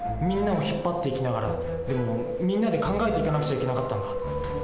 皆を引っ張っていきながらでもみんなで考えていかなくちゃいけなかったんだ。